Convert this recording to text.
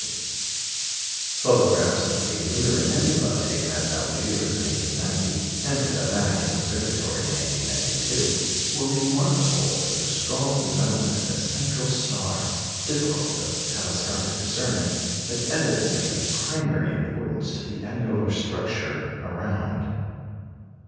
Photographs of the Lyra nebula taken at Algiers in 1890, and at the Vatican observatory in 1892, were remarkable for the strong development of a central star, difficult of telescopic discernment, but evidently of primary importance to the annular structure around.